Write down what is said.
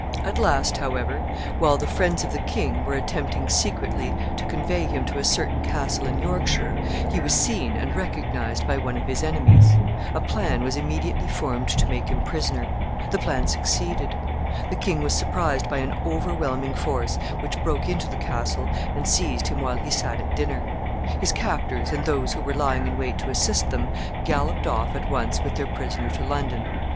At last, however, while the friends of the king were attempting secretly to convey him to a certain castle in Yorkshire, he was seen and recognized by one of his enemies. A plan was immediately formed to make him prisoner. The plan succeeded. The king was surprised by an overwhelming force, which broke into the castle and seized him while he sat at dinner. His captors, and those who were lying in wait to assist them, galloped off at once with their prisoner to London.